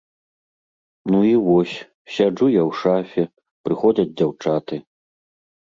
Ну і вось, сяджу я ў шафе, прыходзяць дзяўчаты.